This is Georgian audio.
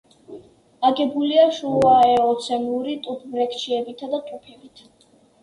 აგებულია შუაეოცენური ტუფ-ბრექჩიებითა და ტუფებით.